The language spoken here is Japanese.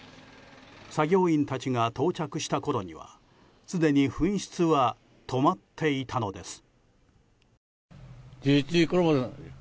作業員たちが到着したころにはすでに噴出は止まっていたのです。